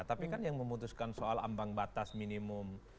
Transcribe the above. tapi kan yang memutuskan soal ambang batas minimum